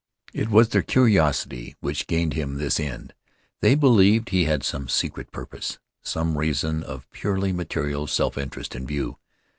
It was their curiosity which gained him his end. They believed he had some secret purpose, some reason of purely material self interest in view.